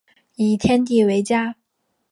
以天地为家